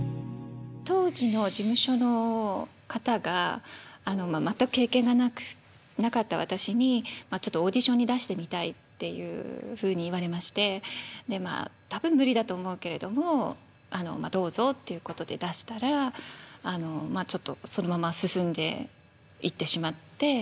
当時の事務所の方が全く経験がなかった私にちょっとオーディションに出してみたいっていうふうに言われましてまあ多分無理だと思うけれどもどうぞってことで出したらちょっとそのまま進んでいってしまって。